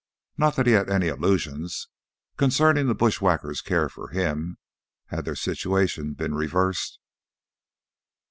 Not that he had any illusions concerning the bushwhacker's care for him, had their situation been reversed.